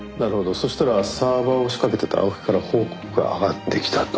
そしたらサーバーを調べていた青木から報告が上がってきたと。